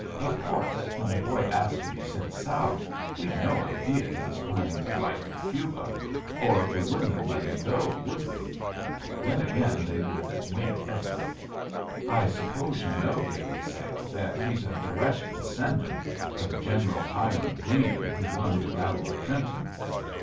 "Of course, when the boy asked to be sent South we'd no idea he was planning to fight for Cuba! Or we wouldn't have let him go, would we?" Then again they would wink heavily. "I suppose you know," they would say, "that he's a direct descendant of General Hiram Greene, who won the battle of Trenton.